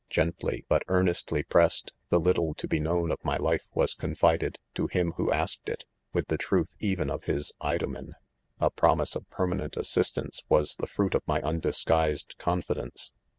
Gently, but earnestly pressed, the little to be known of my Me n was confided to him who asked it % with the truth even of his Idomen*— A .promise of permanent assistance was the fruit .of my undisguised confidence.